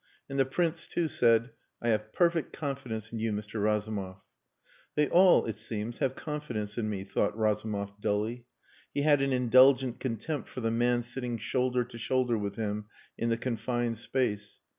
And the Prince too said "I have perfect confidence in you, Mr. Razumov." "They all, it seems, have confidence in me," thought Razumov dully. He had an indulgent contempt for the man sitting shoulder to shoulder with him in the confined space.